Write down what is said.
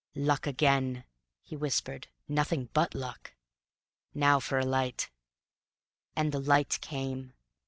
"Luck again," he whispered; "nothing BUT luck! Now for a light." And the light came!